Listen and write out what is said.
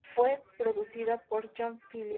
Fue producido por John Phillips.